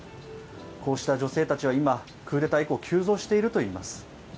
こうした女性たちは今、クーデター以降、急増しているといいます。